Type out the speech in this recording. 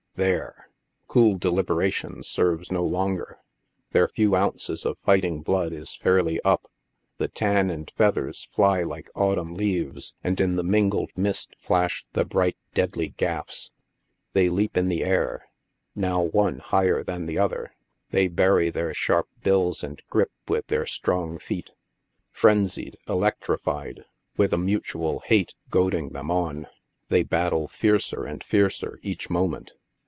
There ! cool deliberation serves no longer 5 their few ounces of fighting blood is fairly up. The tan and feathers fly like autumn leaves, and in the mingled mist flash the bright, deadly gaffs. They leap in the air, now one higher than the other ; they bury their sharp bills and gripe with their strong feet ; frenzied, electrified, with a mutual hate goading them on, they battle fiercer and fiercer each moment.